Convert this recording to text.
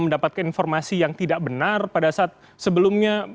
mendapatkan informasi yang tidak benar pada saat sebelumnya